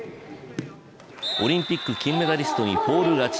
オリンピック金メダリストにフォール勝ち。